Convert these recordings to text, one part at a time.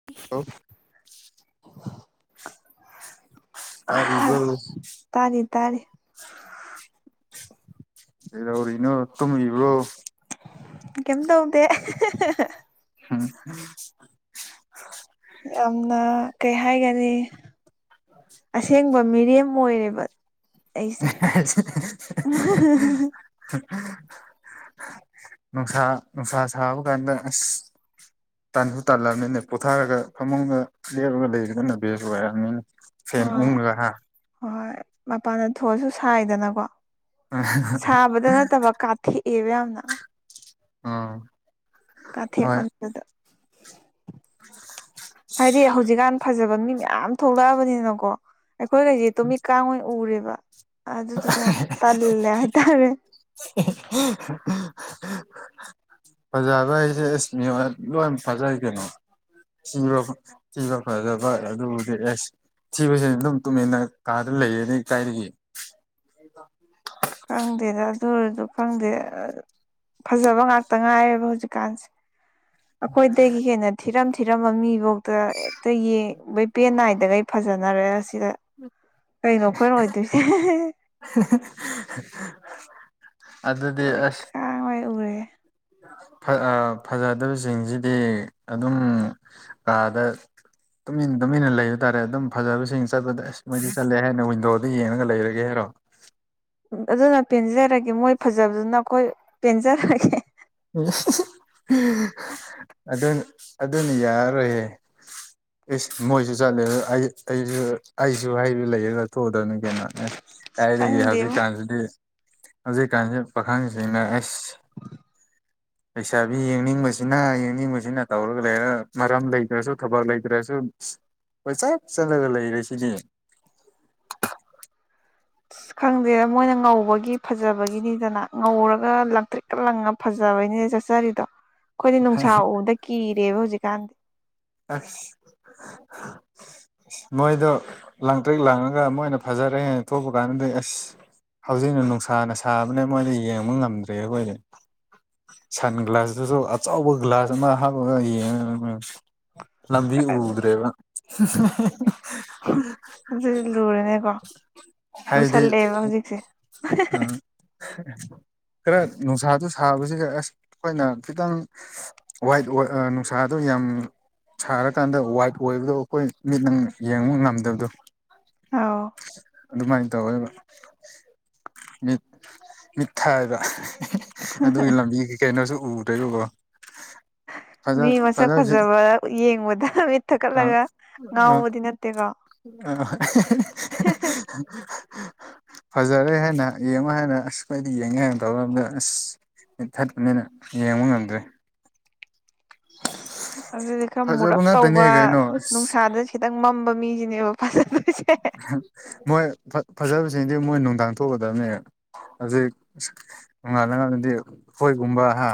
[unintelligible] ꯇꯥꯔꯤꯕꯣ ꯇꯥꯔꯤ ꯇꯥꯔꯤ ꯀꯩꯗꯧꯔꯤꯅꯣ ꯇꯨꯝꯃꯤꯕ꯭ꯔꯣ ꯀꯩꯝ ꯇꯧꯗꯦ [unintelligible] [unintelligible] ꯌꯥꯝꯅ ꯀꯩ ꯍꯥꯏꯒꯅꯤ ꯑꯁꯦꯡꯕ ꯃꯤꯔꯦꯝ ꯑꯣꯏꯔꯦꯕ ꯑꯩꯁꯦ [unintelligible] ꯅꯨꯡꯁꯥ ꯅꯨꯡꯁꯥ ꯁꯥꯕ ꯀꯥꯟꯗ ꯑꯁ ꯇꯟꯕꯨ ꯇꯜꯂꯕꯅꯤꯅꯦ ꯄꯣꯊꯥꯔꯒ ꯐꯃꯨꯡꯗ ꯂꯦꯞꯂꯒ ꯂꯩꯕꯗꯨꯅ ꯕꯦꯁ ꯑꯣꯏꯔꯕꯅꯤꯅꯦ ꯐꯦꯟ ꯍꯣꯏ ꯎꯡꯔꯒ ꯍꯥ ꯍꯣꯏ ꯃꯄꯥꯟꯗ ꯊꯣꯛꯑꯁꯨ ꯁꯥꯏꯗꯅꯥꯀꯣ ꯁꯥꯕꯗ ꯅꯠꯇꯕ ꯀꯥꯠ__ ꯊꯦꯛꯑꯦꯕ ꯌꯥꯝꯅ ꯑꯥ ꯀꯥꯊꯦꯛ ꯃꯟꯗꯗ ꯍꯥꯏꯗꯤ ꯍꯧꯖꯤꯛꯀꯥꯟ ꯐꯖꯕ ꯃꯤ ꯃꯌꯥꯝ ꯊꯣꯛꯂꯛꯑꯕꯅꯤꯅꯀꯣ ꯑꯩꯈꯣꯏꯒꯁꯦ ꯇꯨꯃꯤꯠ ꯀꯥꯡ ꯑꯣꯏꯅ ꯎꯔꯦꯕ ꯑꯥꯗꯨꯗꯨꯅ ꯌꯥꯝ ꯇꯜꯂꯦ ꯍꯥꯏꯇꯥꯔꯦ [unintelligible] ꯐꯖꯕ ꯍꯥꯏꯁꯦ ꯏꯁ ꯃꯤ ꯍꯣꯏ ꯂꯣꯏꯅ ꯐꯖꯩ ꯀꯩꯅꯣ ꯊꯤꯕ ꯊꯤꯕ ꯐꯖꯕ ꯑꯗꯨꯕꯨꯗꯤ ꯑꯦꯁ ꯊꯤꯕꯁꯤꯅ ꯑꯗꯨꯝ ꯇꯨꯃꯤꯟꯅ ꯀꯥꯗ ꯂꯩꯌꯦꯅꯤ ꯀꯥꯏꯗꯒꯤ [unintelligible] ꯈꯪꯗꯦꯗ ꯑꯗꯨ ꯑꯣꯏꯔꯁꯨ ꯈꯪꯗꯦ ꯑ ꯐꯖꯕ ꯉꯥꯛꯇ ꯉꯥꯏꯔꯦꯕ ꯍꯧꯖꯤꯛꯀꯥꯟꯁꯦ ꯑꯩꯈꯣꯏꯗꯒꯤ ꯍꯦꯟꯅ ꯊꯤꯔꯝ ꯊꯤꯔꯝꯕ ꯃꯤꯐꯧꯗ ꯍꯦꯛꯇ ꯌꯦꯡꯕꯩ ꯄꯦꯟ ꯅꯥꯏꯗꯒꯩ ꯐꯖꯅꯔꯛ ꯑꯁꯤꯗ ꯀꯩꯅꯣ ꯑꯩꯈꯣꯏꯅ ꯑꯣꯏꯗꯣꯏꯁꯦ [unintelligible] [unintelligible] ꯑꯗꯨꯗꯤ ꯂꯣꯏ ꯑꯁ ꯀꯥꯡ ꯑꯣꯏ ꯎꯔꯦꯍꯦ ꯐ ꯑ ꯐꯖꯗꯕꯁꯤꯡꯁꯤꯗꯤ ꯑꯗꯨꯝ ꯀꯥꯗ ꯇꯨꯃꯤꯟ ꯇꯨꯃꯤꯟꯅ ꯂꯩꯕ ꯇꯥꯔꯦ ꯑꯗꯨꯝ ꯐꯖꯕꯁꯤꯡ ꯆꯠꯄꯗ ꯑꯁ ꯃꯣꯏꯗꯤ ꯆꯠꯂꯦ ꯍꯥꯏꯅ ꯋꯤꯟꯗꯣꯗ ꯌꯦꯡꯔꯒ ꯂꯩꯔꯒꯦ ꯍꯥꯏꯔꯣ ꯑꯗꯨꯅ ꯄꯦꯟꯖꯔꯒꯦ ꯃꯣꯏ ꯐꯖꯕꯗꯨꯅ ꯑꯩꯈꯣꯏ ꯄꯦꯟꯖꯔꯒꯦ [unintelligible] ꯑꯗꯨꯟ ꯑꯗꯨꯅ ꯌꯥꯔꯔꯣꯏꯌꯦ [inaudible] ꯏꯁ ꯃꯣꯏꯁꯨ ꯆꯠꯂꯦ ꯑꯗ ꯑꯩ ꯑꯩꯁꯨ ꯑꯩꯁꯨ ꯍꯥꯏꯕ ꯂꯩꯌꯦꯅ ꯊꯣꯛꯎꯗꯕꯅꯤ ꯀꯩꯅꯣ ꯑꯦꯁ ꯀꯥꯏꯗꯒꯤ ꯈꯪꯗꯦꯕꯣ ꯍꯧꯖꯤꯛꯀꯥꯟꯁꯤꯗꯤ ꯍꯧꯖꯤꯛꯀꯥꯟꯁꯤ ꯄꯥꯈꯪꯁꯤꯡꯅ ꯑꯦꯁ ꯂꯩꯩꯁꯥꯕꯤ ꯌꯦꯡꯅꯤꯡꯕꯁꯤꯅ ꯌꯦꯡꯅꯤꯡꯕꯁꯤꯅ ꯇꯧꯔꯒ ꯂꯩꯔ ꯃꯔꯝ ꯂꯩꯇ꯭ꯔꯁꯨ ꯊꯕꯛ ꯂꯩꯇ꯭ꯔꯁꯨ ꯀꯣꯏ ꯆꯠ ꯆꯠꯂꯒ ꯂꯩꯔꯁꯤꯗꯤ ꯑꯁ ꯈꯪꯗꯦꯗ ꯃꯣꯏꯅ ꯉꯧꯕꯒꯤ ꯐꯖꯕꯒꯤꯅꯤꯗꯅ ꯉꯧꯔꯒ ꯂꯥꯡꯇ꯭ꯔꯤꯛ ꯀ ꯂꯪꯉ ꯐꯖꯕꯩꯅꯤꯅ ꯆꯠꯆꯔꯤꯗꯣ ꯑꯩꯈꯣꯏꯗꯤ ꯅꯨꯡꯁꯥ ꯎꯕꯗ ꯀꯤꯔꯦꯕ ꯍꯧꯖꯤꯛꯀꯥꯟꯗꯤ ꯑꯁ [unintelligible] [inaudible] ꯑꯁ ꯃꯣꯏꯗꯣ ꯂꯥꯡꯇ꯭ꯔꯤꯛꯛ ꯂꯡꯉꯒ ꯃꯣꯏꯅ ꯐꯖꯔꯦꯅ ꯊꯣꯛꯄ ꯀꯥꯟꯗꯗꯤ ꯑꯁ ꯍꯧꯖꯤꯛꯅ ꯅꯨꯡꯁꯥꯅ ꯁꯥꯕꯅꯦ ꯃꯣꯏꯗ ꯌꯦꯡꯕ ꯉꯝꯗ꯭ꯔꯦ ꯑꯩꯈꯣꯏꯗꯤ ꯁꯟ ꯒ꯭ꯂꯥꯁꯇꯨꯁꯨ ꯑꯆꯧꯕ ꯒ꯭ꯂꯥꯁ ꯑꯃ ꯍꯥꯞꯄꯒ ꯌꯦꯡꯉꯒ ꯑꯩꯈꯣꯏꯅ ꯂꯝꯕꯤ ꯑꯗꯨ ꯎꯗ꯭ꯔꯦꯕ [unintelligible] ꯍꯨꯝꯐ ꯑꯗꯨꯖꯨ ꯂꯨꯔꯦꯅꯦꯀꯣ ꯍꯥꯏꯗꯤ ꯎꯁꯜꯂꯛꯑꯦꯕ ꯍꯧꯖꯤꯛꯁꯦ [unintelligible] ꯈꯔ ꯅꯨꯡꯁꯥꯗꯨ ꯁꯥꯕꯁꯤꯒ ꯑꯁ ꯑꯩꯈꯣꯏꯅ ꯈꯤꯇꯪ ꯋꯥꯏꯠ ꯑꯣꯏ ꯑ ꯅꯨꯨꯡꯁꯥꯗꯣ ꯌꯥꯝ ꯁꯥꯔꯀꯥꯟꯗ ꯋꯥꯏꯠ ꯑꯣꯏꯕꯗꯣ ꯑꯩꯈꯣꯏ ꯃꯤꯠ ꯅꯪ ꯌꯦꯡꯕ ꯉꯝꯗꯕꯗꯣ ꯑꯧ ꯑꯗꯨꯃꯥꯏꯅ ꯇꯧꯋꯦꯕ ꯃꯤꯠ ꯃꯤꯠ ꯊꯛꯑꯕ ꯑꯗꯨꯒꯤ ꯂꯝꯕꯤ ꯀꯩꯅꯣꯁꯨ ꯎꯗꯦꯕꯀ‌ꯣ ꯃꯤ ꯃꯁꯛ ꯐꯖꯕ ꯌꯦꯡꯕꯗ ꯃꯤꯠ ꯊꯛꯀꯠꯂꯒ ꯉꯥꯎꯕꯗꯤ ꯅꯠꯇꯦꯀꯣ ꯑ [unintelligible] ꯐꯖꯔꯦ ꯍꯥꯏꯅ ꯌꯦꯡꯉꯣ ꯍꯥꯏꯅ ꯑꯁ ꯈ‌ꯣꯏꯗꯤ ꯌꯦꯡꯉꯦ ꯍꯥꯏꯅ ꯇꯧꯔꯝꯗ ꯑꯁ ꯊꯠꯄꯅꯤꯅ ꯌꯦꯡꯕ ꯉꯝꯗ꯭ꯔꯣꯏ ꯑꯁ ꯑꯗꯨꯗꯤ ꯈꯔ ꯐꯖꯕ ꯃꯨꯔꯞ ꯉꯥꯛꯇꯅꯦ ꯇꯧꯕ ꯀꯩꯅꯣ ꯑꯁ ꯅꯨꯡꯁꯥꯗ ꯈꯤꯇꯪ ꯃꯝꯕ ꯃꯤꯁꯤꯅꯦꯕ ꯐꯖꯗ‌ꯣꯏꯁꯦ ꯃꯣꯏ ꯐꯖꯕꯁꯤꯡꯗꯤ ꯃꯣꯏ ꯅꯨꯡꯗꯥꯡ ꯊꯣꯛꯀꯗꯕꯅꯦ ꯍꯥꯖꯤꯛ ꯅ‌ꯣꯡꯉꯥꯟꯂꯒꯗꯤ ꯍꯣꯏꯒꯨꯝꯕ ꯍꯥ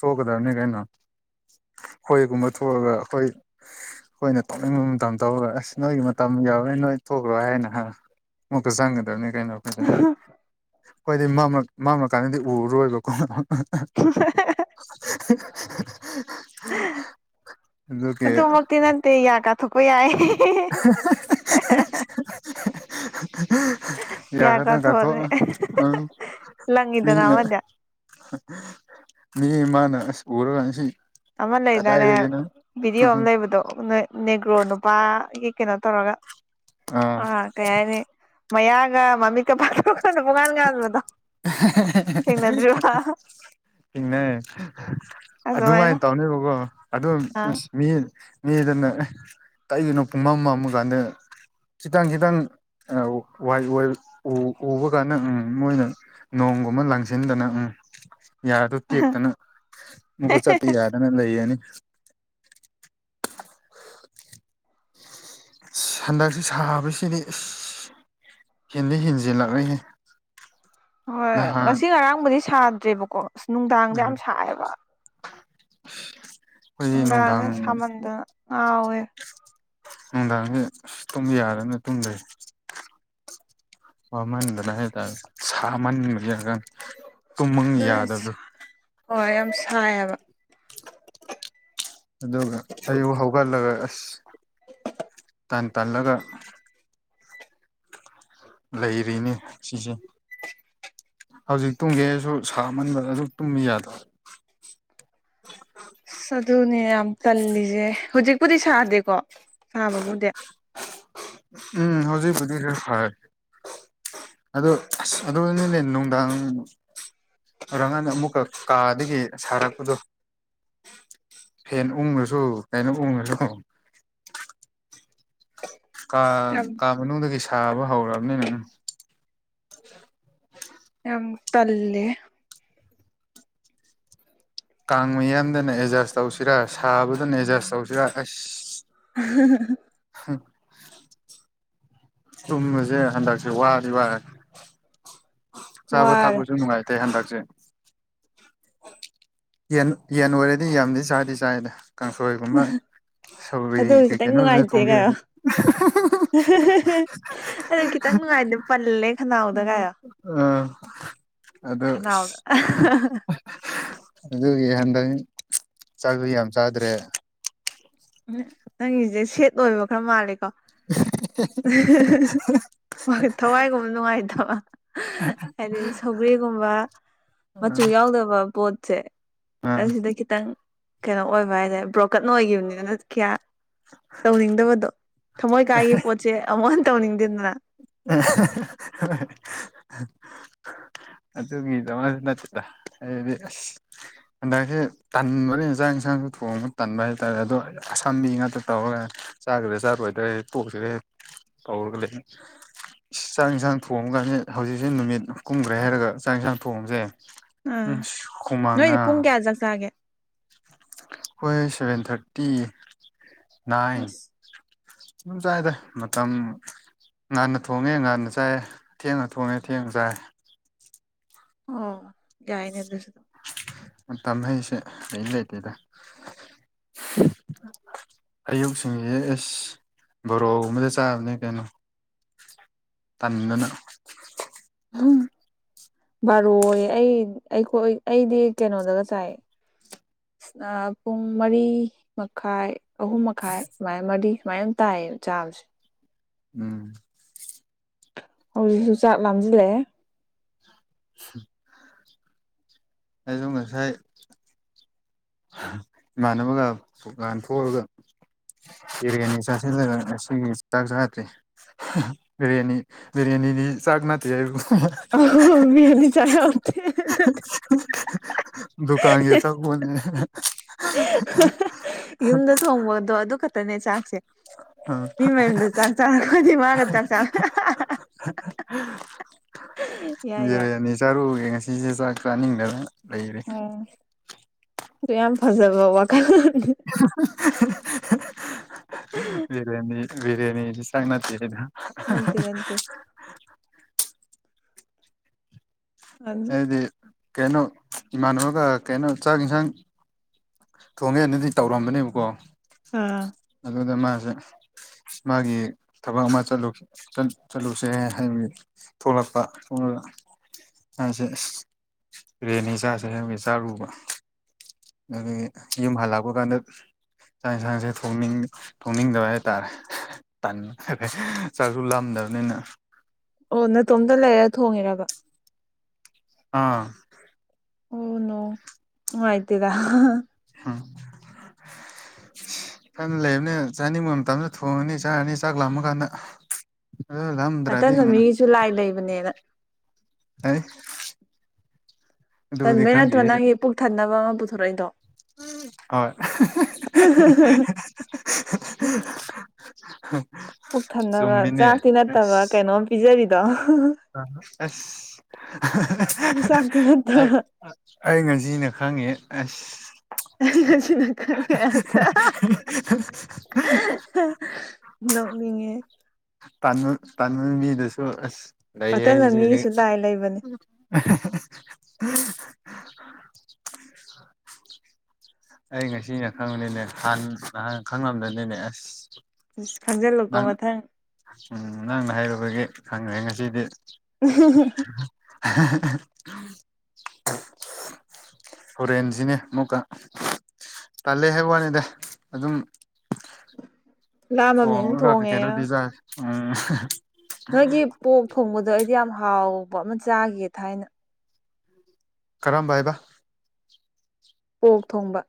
ꯊꯣꯛꯀꯗꯕꯅꯤ ꯀ‌ꯩꯅꯣ ꯑꯩꯈꯣꯏꯒꯨꯝꯕ ꯊꯣꯛꯑꯒ ꯑꯩꯈꯣꯏ ꯑꯩꯈꯣꯏꯅ ꯇꯧꯅꯤꯡꯕ ꯃꯇꯝ ꯇꯧꯔꯒ ꯑꯁ ꯅꯣꯏꯒꯤ ꯃꯇꯝ ꯌꯥꯎ ꯅꯣꯏ ꯅꯣꯏ ꯊꯣꯛꯈ꯭ꯔꯣ ꯍꯥꯏꯅ ꯍꯥ ꯃꯨꯛꯇ ꯆꯪꯒꯗꯕꯅꯤ ꯀꯩꯅꯣ ꯑꯩꯈꯣꯏꯁꯦ ꯍꯣꯏꯗꯤ ꯃꯝꯃ ꯃꯥꯝꯂꯀꯥꯟꯗꯗꯤ ꯎꯔꯣꯏꯕꯀꯣ [unintelligible] [unintelligible] ꯑꯗꯨꯃꯛꯇꯤ ꯅꯠꯇꯦ ꯌꯥ ꯀꯥꯊꯣꯛꯄ ꯌꯥꯏ [unintelligible] ꯌꯥ ꯈꯛꯇꯪ ꯀꯊꯣꯛ ꯎꯝ ꯂꯪꯉꯤꯗꯅ ꯃꯤꯅ ꯑꯃꯗꯤ ꯃꯤ ꯃꯥꯅ ꯑꯁ ꯎꯔꯒ ꯉꯁꯤ ꯑꯃ ꯂꯩꯗꯥꯏꯅꯦ ꯚꯤꯗꯤꯑꯣ ꯑꯃ ꯂꯩꯕꯗꯣ ꯅ‌ꯣꯏ ꯅꯦꯒ꯭ꯔꯣ ꯅꯨꯄꯥꯒꯤ ꯀꯩꯅꯣ ꯇꯧꯔꯒ ꯑꯥ ꯑ ꯀꯩ ꯍꯥꯏꯅꯤ ꯃꯌꯥꯒ ꯃꯃꯤꯠꯀ ꯐꯥꯛꯇ‌ꯣꯛꯑ ꯑꯩꯈꯣꯏꯗ ꯄꯣꯉꯥꯟ ꯉꯥꯡꯕꯗꯣ ꯊꯦꯡꯅꯗ꯭ꯔꯤꯕ ꯊꯦꯡꯅꯦ ꯑꯗꯨꯃꯥꯏꯅ ꯇꯧꯅꯦꯕꯀꯣ ꯑꯗꯨꯝ ꯑꯥ ꯃꯤ ꯃꯤꯗꯨꯅ ꯇꯩꯒꯅꯣ ꯄꯨꯡ ꯃꯝꯃꯝꯃꯥ ꯀꯥꯟꯗ ꯈꯤꯇꯪ ꯈꯤꯇꯪ ꯋꯥꯏ ꯋꯥꯏ ꯎꯕ ꯑꯗꯨꯒꯅ ꯎꯝ ꯃꯣꯏꯅ ꯅꯣꯡꯒꯨꯝꯕ ꯂꯪꯁꯤꯟꯗꯅ ꯎꯝ ꯌꯥꯗ‌ꯣ ꯇꯦꯛꯇꯅ ꯃꯨꯛꯀ ꯆꯠꯄ ꯌꯥꯗꯅ ꯂꯩꯔꯅꯤ ꯍꯟꯗꯛꯁꯤ ꯁꯥꯕꯁꯤꯗꯤ ꯏꯁ ꯍꯦꯟꯗꯤ ꯍꯦꯟꯖꯤꯜ ꯂꯥꯛꯔꯍꯦ ꯍꯣꯏ ꯉꯁꯤ ꯉꯔꯥꯡꯕꯨꯗꯤ ꯁꯥꯗ꯭ꯔꯦꯕꯀꯣ ꯑꯁ ꯅꯨꯡꯗꯥꯡꯗ ꯌꯥꯝ ꯁꯥꯏꯑꯦꯕ ꯑꯩꯈꯣꯏꯒꯤ ꯅꯨꯡꯗꯥꯡ ꯅꯨꯡꯗꯥꯡꯗ ꯁꯥꯃꯟꯗꯅ ꯉꯥꯎꯋꯦ ꯅꯨꯡꯗꯥꯡꯁꯦ ꯑꯁꯤ ꯇꯨꯝꯕ ꯌꯥꯔꯅ ꯇꯨꯝꯗ꯭ꯔ‌ꯦ ꯋꯥꯃꯟꯗꯅ ꯍꯥꯏꯇꯥꯔꯦ ꯁꯥꯃꯟꯕꯒꯤ ꯀ ꯑꯗꯨ ꯍꯣꯏ ꯌꯥꯝ ꯁꯥꯏꯑꯕ ꯑꯗꯨꯒ ꯑꯌꯨꯛ ꯍꯧꯒꯠꯂꯒ ꯑꯁ ꯇꯟ ꯇꯜꯂꯒ ꯂꯩꯔꯤꯅꯦ ꯁꯤꯁꯦ ꯍꯧꯖꯤꯛ ꯇꯨꯝꯒꯦ ꯍꯥꯏꯁꯨ ꯁꯥꯃꯟꯕꯗ ꯑꯗꯨꯝ ꯇꯨꯝꯕ ꯌꯥꯗꯕ ꯑꯁ ꯑꯗꯨꯅꯦ ꯌꯥꯝ ꯇꯜꯂꯤꯁꯦ ꯍꯧꯖꯤꯛꯄꯨꯗꯤ ꯁꯥꯗꯦꯀꯣ ꯁꯥꯕꯕꯨꯗꯤ ꯎꯝ ꯍꯧꯖꯤꯛꯕꯨꯗꯤ ꯈꯔ ꯐꯔ‌ꯦ ꯑꯗꯨ ꯑꯁ ꯑꯗꯨꯅ‌ꯣꯏꯅ ꯅꯨꯡꯗꯥꯡ ꯁꯔꯪꯀꯥꯟꯗ ꯑꯃꯨꯛꯀ ꯀꯥꯗꯒꯤ ꯁꯥꯔꯛꯄꯗꯣ ꯐꯦꯟ ꯎꯪꯉꯁꯨ ꯀꯩꯅꯣ ꯎꯪꯉꯁꯨ ꯀꯥ ꯌꯥꯝ ꯀꯥ ꯃꯅꯨꯡꯗꯒꯤ ꯁꯥꯕ ꯍꯧꯔꯑꯕꯅꯤ ꯎꯝ ꯌꯥꯝ ꯇꯜꯂ‌ꯦꯍ‌ꯦ ꯀꯥꯡ ꯃꯌꯥꯝꯗꯅ ꯑꯦꯗꯖꯁ ꯇꯧꯁꯤꯔꯥ ꯁꯥꯕꯗꯅ ꯑꯦꯗꯖꯁ ꯇꯧꯁꯤꯔꯥ ꯑꯁ [unintelligible] [unintelligible] ꯇꯨꯝꯕꯁꯦ ꯍꯟꯗꯛꯁꯦ ꯋꯥꯗꯤ ꯋꯥꯔ‌ꯦ ꯆꯥꯕ ꯋꯥꯔꯦ ꯊꯛꯄꯖꯨ ꯅꯨꯡꯉꯥꯏꯇꯦ ꯍꯟꯗꯛꯁꯦ ꯌꯦꯟ ꯌꯦꯟ ꯑꯣꯏꯔꯗꯤ ꯌꯥꯝꯗꯤ ꯆꯥꯗꯤ ꯆꯥꯏꯗ ꯀꯥꯡꯁꯣꯏꯒꯨꯝꯕ ꯁꯧꯒ꯭ꯔꯤ ꯑꯗꯨ ꯀꯩ ꯈꯤꯇꯪ ꯀꯩꯅꯣ ꯊꯣꯡꯕꯤꯔꯗꯤ ꯑꯗꯣ ꯈꯤꯇꯪ ꯅꯨꯡꯉꯥꯏꯗꯦ ꯄꯜꯂꯦ ꯈꯅꯥꯎꯗ ꯒꯥꯌꯣ ꯑꯥ ꯑꯗꯨ ꯅꯥꯎꯗ ꯑꯗꯨꯒꯤ ꯍꯟꯗꯛ ꯆꯥꯛꯖꯨ ꯌꯥꯝ ꯆꯥꯗ꯭ꯔꯦ ꯎꯝ ꯅꯪꯒꯤꯖꯦ ꯁꯦꯠ ꯑꯣꯏꯕ ꯈꯔ ꯃꯥꯜꯂꯤꯀꯣ ꯊꯋꯥꯏꯒꯨꯝꯕ ꯅꯨꯡꯉꯥꯏꯇꯕ ꯍꯥꯏꯗꯤ ꯁꯧꯒ꯭ꯔꯤꯒꯨꯝꯕ ꯃꯆꯨ ꯌꯥꯎꯗꯕ ꯄꯣꯠꯁꯦ ꯑꯥ ꯑꯗꯨꯗ ꯈꯤꯇꯪ ꯀꯩꯅꯣ ꯑꯣꯏꯕ ꯍꯥꯏꯇꯥꯔꯦ ꯕ꯭ꯔꯣꯀꯟ ꯑꯣꯏꯒꯤꯕꯅꯤꯅ ꯀꯌꯥ ꯇꯧꯅꯤꯡꯗꯕꯗꯣ ꯊꯝꯃꯣꯏ ꯀꯥꯏꯒꯤ ꯄꯣꯠꯁꯦ ꯑꯃꯨꯛ ꯍꯟ ꯇꯧꯅꯤꯡꯗꯦꯗꯅ [unintelligible] ꯑꯗꯨꯒꯤꯗꯃꯛ ꯅꯠꯇꯦꯗ ꯍꯟꯗꯛꯀꯤ ꯇꯟꯕꯅꯤ ꯆꯥꯛ ꯏꯟꯁꯥꯡ ꯌꯦꯟꯁꯥꯡꯁꯨ ꯊꯣꯡꯉꯒ ꯇꯟꯕ ꯍꯥꯏꯇꯥꯔꯦ ꯑꯗꯣ ꯑꯁꯥꯝꯕꯤ ꯉꯥꯛꯇ ꯇꯧꯔꯒ ꯆꯥꯒꯗ꯭ꯔꯥ ꯆꯥꯔꯣꯏꯗ꯭ꯔꯥ ꯄꯣꯛꯁꯤꯔꯦ ꯇꯧꯔꯒ ꯂꯩ ꯆꯥꯛ ꯌꯦꯟꯁꯥꯡ ꯊꯣꯡꯉ ꯀꯥꯟꯗ ꯍꯧꯖꯤꯛꯁꯤ ꯅꯨꯃꯤꯠ ꯀꯨꯝꯒ꯭ꯔꯦ ꯍꯥꯏꯔꯒ ꯆꯥꯛ ꯌꯦꯟꯁꯥꯡ ꯊꯣꯡꯕꯖꯦ ꯎꯝꯁ ꯍꯨꯃꯥꯡꯅ ꯖꯆꯥꯒꯦ ꯍꯣꯏ ꯁꯚꯦꯟ ꯊꯥꯔꯇꯤ ꯅꯥꯏꯟ ꯑꯁ ꯗꯨꯝ ꯆꯥꯏꯗ ꯃꯇꯝ ꯉꯟꯅ ꯊꯣꯡꯉꯦ ꯉꯥꯟꯟꯅ ꯆꯥꯏ ꯊꯦꯡꯅ ꯊꯣꯡꯉꯦ ꯊꯦꯡꯅ ꯆꯥꯏ ꯑꯣ ꯌꯥꯏꯅꯦꯗꯨꯁꯨ ꯃꯇꯝ ꯍꯩꯁꯦ ꯂꯩ ꯂꯩꯇꯦꯗ [inaudible] ꯑꯌꯨꯛ ꯁꯤꯡꯁ‌ꯦ ꯑꯦꯁ ꯕꯣꯔꯣꯒꯨꯝ ꯑꯃꯗ ꯆꯥꯕꯅꯦ ꯀꯩꯅꯣ ꯇꯟꯗꯅ ꯍꯝ ꯕꯥꯔꯣꯏꯌꯦ ꯑꯩ ꯑꯩꯈꯏ ꯑꯩꯗꯤ ꯀꯩꯅꯣꯗꯒ ꯆꯥꯏ ꯅ ꯄꯨꯡ ꯃꯔꯤ ꯃꯈꯥꯏ ꯑꯍꯨꯝ ꯃꯈꯥꯏ ꯁꯨꯃꯥꯏ ꯃꯔꯤ ꯁꯨꯃꯥꯏꯅ ꯑꯗꯨꯝ ꯇꯥꯏꯌꯦꯕ ꯆꯥꯕꯁꯦ ꯎꯝ ꯍꯧꯖꯤꯛꯁꯨ ꯆꯥꯛ ꯂꯥꯝꯖꯤꯜꯂꯛꯑꯦ [inaudible] ꯑꯩꯖꯨ ꯉꯁꯥꯏ ꯏꯃꯥꯟꯅꯕꯒ ꯗꯨꯀꯥꯟ ꯊꯣꯛꯑꯒ ꯕꯔꯤꯌꯥꯅꯤ ꯆꯁꯤꯂꯨꯗ ꯉꯁꯤꯒꯤ ꯆꯥꯛ ꯆꯗ꯭ꯔꯤ ꯕꯤꯔꯌꯥꯅꯤ ꯕꯤꯔꯌꯥꯅꯤꯗꯤ ꯆꯥꯛ ꯅꯥꯇꯦ ꯍꯥꯏꯕ ꯑꯣ ꯕꯔꯤꯌꯥꯅꯤ ꯆꯥꯛ ꯌꯥꯎꯇꯦ ꯅꯠꯇꯦ ꯗꯨꯀꯥꯟꯒꯤ ꯑꯆꯥꯄꯣꯠꯅꯤ ꯌꯨꯝꯗ ꯊꯣꯡꯕꯗꯣ ꯑꯗꯨ ꯈꯛꯇꯅꯦ ꯆꯥꯛꯁꯦ ꯃꯤ ꯃꯌꯨꯝꯗ ꯆꯥꯛ ꯆꯥꯔꯛꯄꯗꯤ ꯃꯥꯒ ꯆꯥꯛ ꯆꯥ ꯌꯥꯏ ꯌꯥꯏ ꯕꯤꯔꯤꯌꯥꯅꯤ ꯆꯔꯨꯕꯒꯤ ꯉꯁꯤ ꯑꯩꯖꯨ ꯆꯥꯛ ꯆꯥꯅꯤꯡꯗꯅ ꯂꯩꯔꯦ ꯎꯝ ꯑꯗꯨ ꯌꯥꯝ ꯐꯖꯕꯥ ꯋꯥꯈꯜꯂꯣꯟꯅꯤ ꯕꯔꯌꯥꯅꯤ ꯕꯤꯔꯌꯥꯅꯤꯗꯤ ꯆꯥꯛ ꯅꯠꯇ‌ꯦ ꯀꯩꯅꯣ ꯅꯟꯇꯦ ꯅꯟꯇꯦ ꯍꯥꯏꯗꯤ ꯀꯩꯅꯣ ꯏꯃꯥꯟꯅꯕꯒ ꯀꯩꯅꯣ ꯆꯥꯛ ꯌꯦꯟꯁꯥꯡ ꯊꯣꯡꯉꯦꯅꯗꯤ ꯇꯧꯔꯝꯕꯅꯦꯕꯀꯣ ꯑꯥ ꯑꯗꯨꯗ ꯃꯥꯖꯦ ꯃꯥꯒꯤ ꯊꯕꯛ ꯑꯃ ꯆꯠꯂꯨ ꯆꯠ ꯆꯠꯂꯨꯁꯦ ꯍꯥꯏꯕꯩ ꯊꯣꯛꯂꯛꯄ [unintelligible] ꯆꯥꯔꯨꯕ ꯑꯗꯒꯤ ꯌꯨꯝ ꯍꯜꯂꯛꯄ ꯀꯥꯟꯗ ꯆꯥꯛ ꯑꯦꯟꯁꯥꯡꯁꯦ ꯊꯣꯡꯅꯤꯡ ꯊꯣꯡꯅꯤꯡꯗꯕ ꯍꯥꯏꯇꯥꯔꯦ ꯇꯟ ꯆꯥꯛꯁꯨ ꯂꯝꯗꯕꯅꯤꯅ ꯑꯣ ꯅꯇꯣꯝꯇ ꯂꯩꯔ ꯊꯣꯡꯉꯤꯔꯕ ꯑꯥ ꯑꯣꯅꯣ ꯅꯨꯉꯥꯏꯇꯦꯗ [unintelligible] ꯏꯊꯟ ꯂꯩꯕꯅꯤ ꯆꯥꯅꯤꯡꯕ ꯃꯇꯝꯗ ꯊꯣꯡꯉꯅꯤ ꯆꯥꯔꯅꯤ ꯆꯥꯛ ꯂꯥꯃ ꯀꯥꯟꯗ ꯑꯗꯨꯔꯝ ꯑꯇꯟꯕ ꯃꯤꯒꯤꯁꯨ ꯂꯥꯏ ꯂꯩꯕꯅꯦꯅ ꯍꯩ ꯇꯟꯕꯩ ꯅꯠꯇ꯭ꯔꯣ ꯈꯪꯗꯦ ꯅꯪꯒꯤ ꯄꯨꯛ ꯊꯟꯅꯕ ꯑꯃ ꯄꯨꯊꯣꯔꯛꯏꯗꯣ ꯍꯣꯏ [unintelligible] [unintelligible] ꯄꯨꯛ ꯊꯟꯅꯕ ꯆꯨꯝꯃꯤꯅꯦ ꯆꯥꯛꯇꯤ ꯅꯠꯇꯕ ꯑꯁ ꯀꯩꯅꯣꯝ ꯄꯤꯖꯔꯤꯗꯣ ꯑꯁ ꯆꯥꯛꯇꯤ [unintelligible] ꯅꯠꯇ꯭ꯔꯣ ꯑꯩ ꯉꯁꯤꯅ ꯈꯪꯉꯦ ꯑꯁ [unintelligible] ꯅꫭꯛꯅꯤꯡꯉ‌ꯦ ꯇꯟ [unintelligible] ꯇꯟꯕ ꯃꯤꯗꯨꯁꯨ ꯑꯁ ꯂꯩꯌꯦ ꯃꯊꯪꯗ ꯍꯩꯁ‌ꯦ ꯃꯤꯒꯤꯁꯨ ꯂꯥꯏ ꯂꯩꯕꯅꯦ [unintelligible] ꯑꯩ ꯉꯁꯤꯅ ꯈꯪꯕꯅꯤꯅꯦ ꯍꯥꯟ ꯅꯍꯥꯟ ꯈꯪꯉꯝꯗꯅꯤꯅꯦ ꯑꯁ ꯈꯪꯖꯜꯂꯨꯀꯣ ꯅꯪ ꯃꯊꯪ ꯎꯝ ꯅꯪꯅ ꯍꯥꯏꯔꯨꯕꯒꯤ ꯈꯪꯒ꯭ꯔꯦ ꯉꯁꯤꯗꯤ ꯎꯝ [unintelligible] ꯍꯣꯔꯦꯟꯖꯤꯅꯦ ꯃꯨꯛꯀ ꯇꯜꯂꯦ ꯍꯥꯏꯋꯥꯅꯤꯗ ꯑꯗꯨꯝ ꯂꯥꯝꯃꯕꯅꯤꯅ ꯊꯣꯡꯉꯒ ꯊꯣꯡꯉꯦ ꯀꯩꯀꯩꯅꯣꯗꯤ ꯆꯥꯏ ꯎꯝ ꯅꯣꯏꯒꯤ ꯄꯣꯛ ꯊꯣꯡꯕꯗꯣ ꯑꯩꯗꯤ ꯌꯥꯝ ꯍꯥꯎꯕ ꯑꯃ ꯆꯥꯒꯤꯌꯦ ꯊꯥꯏꯅ ꯀꯔꯝꯕ ꯍꯥꯏꯕ ꯑꯣꯛ ꯊꯣꯡꯕ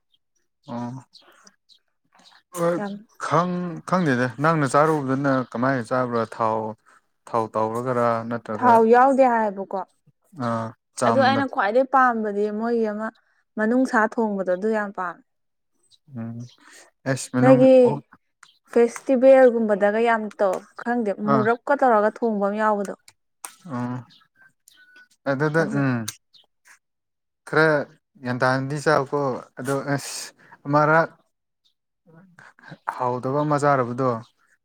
ꯑꯣ [unintelligible] ꯌꯥꯝ ꯈꯪ ꯈꯪꯗꯦꯗ ꯅꯪꯅ ꯆꯥꯔꯨꯕꯗꯨꯅ ꯀꯃꯥꯏ ꯆꯥꯕ꯭ꯔꯥ ꯊꯥꯎ ꯊꯥꯎ ꯇꯧꯔꯒꯔꯥ ꯅꯠ ꯊꯥꯎ ꯌꯥꯎꯗꯦ ꯍꯥꯏꯕꯀꯣ ꯑꯥ ꯑꯗꯨ ꯆꯥꯝꯅ ꯑꯩꯅ ꯈ꯭ꯋꯥꯏꯗꯩ ꯄꯥꯝꯕꯗꯤ ꯃꯣꯏꯒꯤ ꯑꯃ ꯃꯅꯨꯡꯁꯥ ꯊꯣꯡꯕꯗꯣ ꯑꯗꯨ ꯌꯥꯝ ꯄꯥꯝꯃꯦ ꯎꯝ ꯑꯦꯁ ꯃꯅꯨꯡ ꯅꯣꯏꯒꯤ ꯑꯣꯛ ꯐꯦꯁꯇꯤꯚꯦꯜꯒꯨꯝꯕꯗꯒ ꯌꯥꯝ ꯇꯧ ꯈꯪꯗꯦ ꯑꯥ ꯃꯨꯔꯞꯀ ꯇꯧꯔꯒ ꯊꯣꯡꯕ ꯑꯃ ꯌꯥꯎꯕꯗꯣ ꯑꯣ ꯑꯗꯨꯗ ꯑꯗꯨ ꯎꯝ ꯈꯔ ꯒ꯭ꯌꯥꯟ ꯇꯥꯅꯗꯤ ꯆꯥꯎꯀꯣ ꯑꯗꯣ ꯑꯁ ꯑꯃꯔꯛ ꯍꯥꯎꯗꯕ ꯑꯃ ꯆꯥꯔꯕꯗꯣ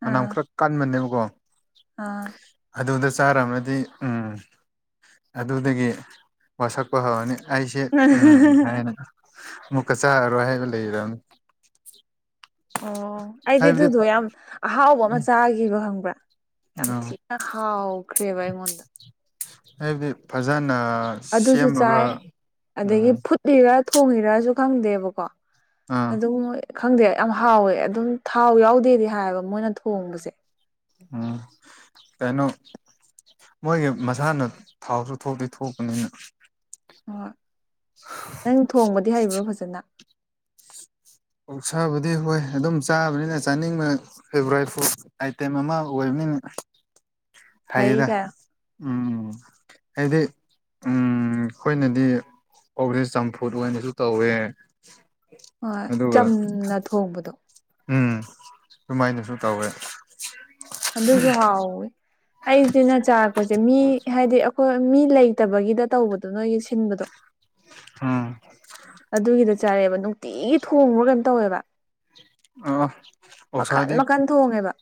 ꯃꯅꯝ ꯑꯥ ꯈꯔ ꯀꯟꯕꯅꯦꯕꯀꯣ ꯑꯥ ꯑꯗꯨꯗ ꯆꯥꯔꯝꯃꯗꯤ ꯎꯝ ꯑꯗꯨꯗꯒꯤ ꯋꯥꯁꯛꯄ ꯍꯧꯔꯅꯤ ꯑꯩꯁꯦ ꯎꯝ ꯍꯥꯏꯅ ꯑꯃꯨꯛꯀ ꯆꯥꯔꯔꯣꯏ ꯍꯥꯏꯅ ꯂꯩꯔꯝ [inaudible] ꯑꯣ ꯑꯩꯗꯤ ꯍꯥꯏꯕꯗꯤ ꯑꯗꯨꯗꯣ ꯌꯥꯝ ꯑꯍꯥꯎꯕ ꯑꯃ ꯆꯥꯒꯤꯕ ꯈꯪꯕ꯭ꯔꯥ ꯌꯥꯝ ꯎꯝ ꯊꯤ ꯅ ꯍꯥꯎꯈꯔꯦꯕ ꯑꯩꯉꯣꯟꯗ꯫ ꯍꯥꯏꯕꯗꯤ ꯐꯖꯅ ꯑꯗꯨꯁꯨ ꯆꯥꯏ ꯁꯦꯝꯃꯒ ꯑꯗꯒꯤ ꯎꯝ ꯐꯨꯠ ꯂꯤꯔ ꯊꯣꯡꯉꯤꯔꯖꯨ ꯈꯪꯗꯦꯕꯀꯣ ꯑꯥ ꯑꯗꯨꯝ ꯃꯣꯏ ꯈꯪꯗꯦ ꯌꯥꯝ ꯍꯥꯎꯋꯦ ꯑꯗꯨꯝ ꯊꯥꯎ ꯌꯥꯎꯗꯦꯗꯤ ꯍꯥꯏꯌꯦꯕ ꯃꯣꯏꯅ ꯊꯣꯡꯕꯁꯦ꯫ ꯎꯝ ꯀꯩꯅꯣ꯫ ꯃꯣꯏꯒꯤ ꯃꯁꯥꯅ ꯊꯥꯎꯁꯨ ꯊꯣꯛꯇꯤ ꯊꯣꯛꯄꯅꯤꯅ ꯍꯣꯏ ꯅꯪ ꯊꯣꯡꯕꯗꯤ ꯍꯩꯕ꯭ꯔꯣ ꯐꯖꯅ꯫ ꯑꯣꯛꯁꯥꯕꯨꯗꯤ ꯍꯣꯏ ꯑꯗꯨꯝ ꯆꯥꯕꯅꯤꯅ ꯆꯥꯅꯤꯡꯕꯅꯦ꯫ ꯐꯦꯚꯣꯔꯥꯏꯠ ꯐꯨꯗ ꯑꯥꯏꯇꯦꯝ ꯑꯃ ꯑꯣꯏꯕꯅꯤꯅ ꯍꯩ ꯍꯥꯏꯌꯦꯗ꯫ ꯀꯥꯏ ꯎꯝ ꯍꯥꯏꯗꯤ ꯎꯝ ꯑꯩꯈꯣꯏꯅꯗꯤ ꯑꯣꯛꯖꯦ ꯆꯝꯐꯨꯠ ꯑꯣꯏꯅꯖꯨ ꯇꯧꯋꯦ꯫ ꯍꯣꯏ ꯑꯗꯨꯒ ꯆꯝꯅ ꯊꯣꯡꯕꯗꯣ꯫ ꯎꯝ ꯁꯨꯃꯥꯏꯅꯁꯨ ꯇꯧꯋꯦ [unintelligible] ꯑꯗꯨꯁꯨ ꯍꯥꯎꯋꯦ ꯑꯩꯁꯤꯅ ꯆꯥꯔꯛꯄꯁꯦ ꯃꯤ ꯍꯥꯏꯗꯤ ꯍꯣꯏ ꯃꯤ ꯂꯩꯇꯕꯒꯤꯗ ꯇꯧꯕꯗꯣ ꯅꯣꯏꯒꯤ ꯁꯤꯟꯕꯗꯣ꯫ ꯑꯥ ꯑꯗꯨꯒꯤꯗ ꯆꯥꯔꯛꯑꯦꯕ ꯅꯨꯡꯇꯤꯒꯤ ꯊꯣꯡꯕ꯭ꯔꯥ ꯀꯩꯅꯣꯝ ꯇꯧꯋꯦꯕ꯫ ꯑ ꯃꯈꯟ ꯑꯣꯛꯁꯥꯗꯤ ꯃꯈꯟ ꯊꯣꯡꯉꯦꯕ